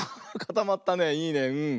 いいねうん。